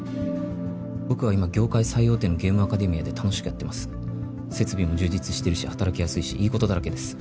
僕は今業界最大手のゲームアカデミアで楽しくやってます設備も充実してるし働きやすいしいいことだらけです